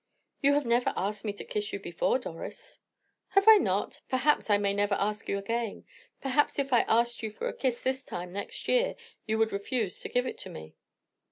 "You have never asked me to kiss you before, Doris." "Have I not? Perhaps I never may ask you again. Perhaps if I asked you for a kiss this time next year, you would refuse to give it to me."